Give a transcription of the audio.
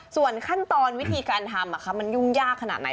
ส่วนขั้นตอนวิธีการทำมันยุ่งยากขนาดไหน